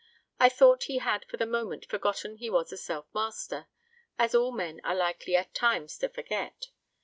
I thought he had for the moment forgotten he was a Self Master as all men are likely at times to forget.